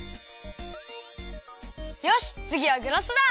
よしつぎはグラスだ！